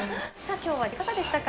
きょうはいかがでしたか。